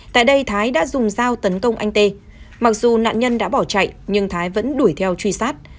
tại đây thái đã dùng dao tấn công anh tê mặc dù nạn nhân đã bỏ chạy nhưng thái vẫn đuổi theo truy sát